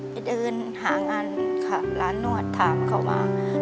ไปเดินหางานร้านนวดถามเขาว่า